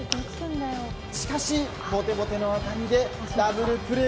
しかしボテボテの当たりでダブルプレー。